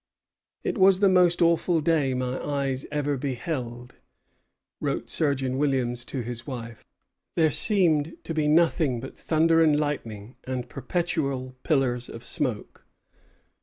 "It was the most awful day my eyes ever beheld," wrote Surgeon Williams to his wife; "there seemed to be nothing but thunder and lightning and perpetual pillars of smoke."